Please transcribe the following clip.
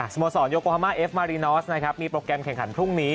โมสรโยโกฮามาเอฟมารีนอสนะครับมีโปรแกรมแข่งขันพรุ่งนี้